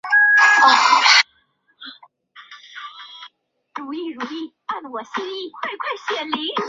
单蕊拂子茅为禾本科拂子茅属下的一个种。